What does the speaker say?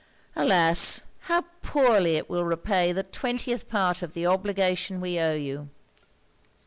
Alas! how poorly it will repay the twentieth part of the obligation we owe you!'